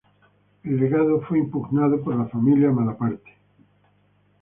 El legado fue impugnado por la familia de Malaparte.